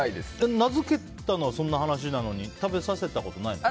名付けたのはそんな感じなのに食べさせたことはないの？